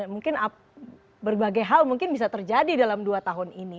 mungkin berbagai hal mungkin bisa terjadi dalam dua tahun ini